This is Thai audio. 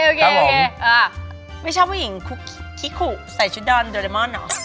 โอเคไม่ชอบผู้หญิงคุกคิขุใส่ชุดดอนโดเรมอนเหรอ